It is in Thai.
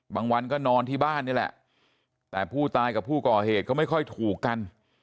บางวันก็นอนที่บ้านนี่แหละแต่ผู้ตายกับผู้ก่อเหตุก็ไม่ค่อยถูกกัน